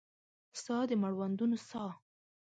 ستا د مړوندونو ساه